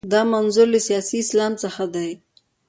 دا منظور له سیاسي اسلام څخه دی.